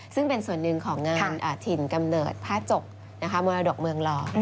ซึ่งเป็นส่วนหนึ่งของงานถิ่นกำเนิดผ้าจกมรดกเมืองหล่อ